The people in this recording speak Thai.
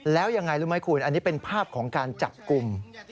แล้วยังไงรู้ไหมคุณอันนี้เป็นภาพของการจับกลุ่ม